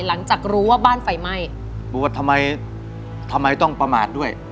หลังจากรู้ว่าบ้านไฟไหม้บอกว่าทำไมทำไมต้องประมาทด้วย